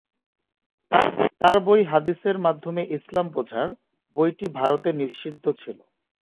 তাঁর বই "হাদিসের মাধ্যমে ইসলাম বোঝার" বইটি ভারতে নিষিদ্ধ ছিল।